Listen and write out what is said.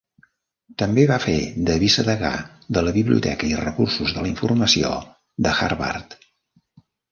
També va fer de vicedegà de la Biblioteca i Recursos de la Informació a Harvard.